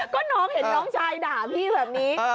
ก็น้องเห็นน้องชายด่าพี่แบบนี้